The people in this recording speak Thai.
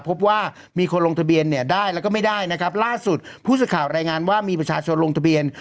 พบว่ามีคนลงทะเบียนเนี่ยได้แล้วก็ไม่ได้นะครับล่าสุดผู้สื่อข่าวรายงานว่ามีประชาชนลงทะเบียน